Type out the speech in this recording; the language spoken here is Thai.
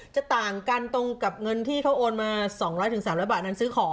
ต่างกันตรงกับเงินที่เขาโอนมา๒๐๐๓๐๐บาทนั้นซื้อของ